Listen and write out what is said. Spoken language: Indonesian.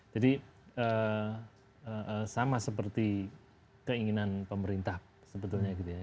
jadi sama seperti keinginan pemerintah sebetulnya gitu ya